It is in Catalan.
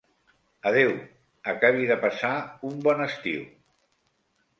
Adéu, acabi de passar un bon estiu.